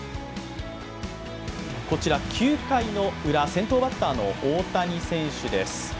こちら９回ウラ先頭バッターの大谷選手です。